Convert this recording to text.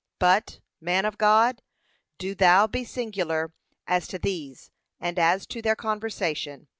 But, man of God, do thou be singular as to these and as to their conversation.